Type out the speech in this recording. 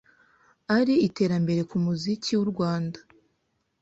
ari iterambere ku muziki w’u Rwanda,